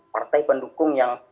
partai pendukung yang